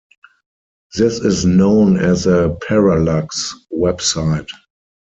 This is known as a parallax website.